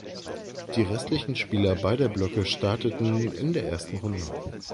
Die restlichen Spieler beider Blöcke starteten in der ersten Runde.